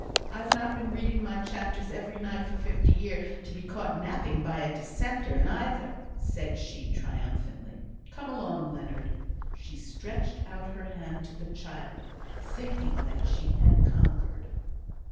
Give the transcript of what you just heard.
I've not been reading my chapters every night for fifty year to be caught napping by a Dissenter, neither!" said she, triumphantly. "Come along, Leonard." She stretched out her hand to the child, thinking that she had conquered.